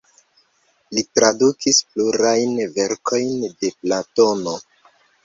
Li tradukis plurajn verkojn de Platono.